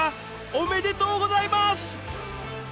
おめでとうございます！